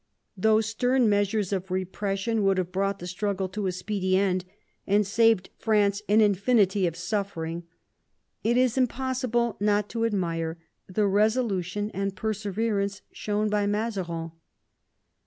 Though stem measures ©f repression would have brought the struggle to a speedy end, and saved France an infinity of suffering, it is impossible not to admire the resolution and perseverance shown by Mazarin.